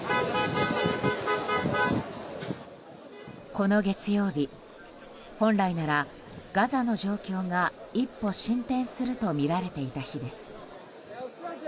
この月曜日本来なら、ガザの状況が一歩進展するとみられていた日です。